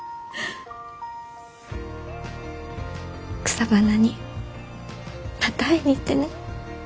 草花にまた会いに行ってね。